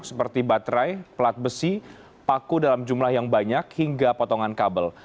seperti baterai pelat besi paku dalam jumlah yang banyak hingga potongan kabel